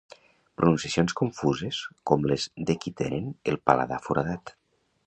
Pronunciacions confuses com les de qui tenen el paladar foradat.